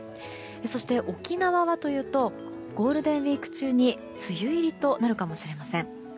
そして、沖縄はというとゴールデンウィーク中に梅雨入りとなるかもしれません。